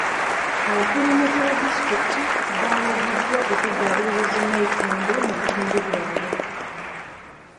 Abakulembeze ba disitulikiti baalagiddwa okuddaabiriza zi nnayikondo mu bitundu byabwe.